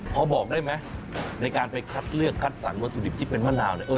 พอบอกได้ไหมในการไปคัดเลือกคัดสรรวัตถุดิบที่เป็นมะนาวเนี่ย